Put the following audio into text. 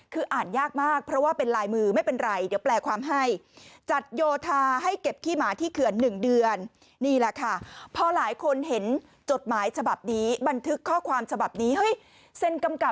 ค่อยค่อยไล่ไปนะคะไฮไลท์สีม่วงคืออ่านยากมาก